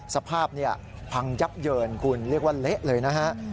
สภาพพังยับเยินคุณเรียกว่าเละเลยนะฮะ